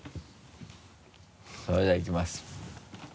それではいきます。